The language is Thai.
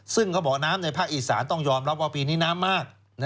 ซึ่งเขาบอกน้ำในภาคอีสานต้องยอมรับว่าปีนี้น้ำมาก